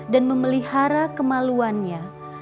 dan memelihara kemaluannya